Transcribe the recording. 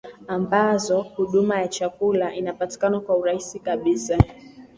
ambazo huduma ya chakula inapatikana kwa urahisi kabisa